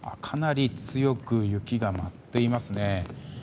かなり強く雪が舞っていますね。